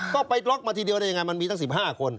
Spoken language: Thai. ก็ไปล็อกมาทีเดียวได้ยังไงมันมีตั้ง๑๕คน